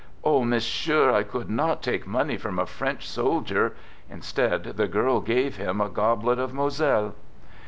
" Oh, Monsieur, I could not take money from a French soldier !" Instead, the girl gave him a gob let of Moselle.